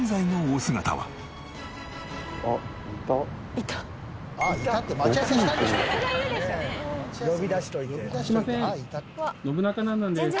すいません。